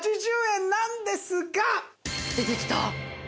出てきた。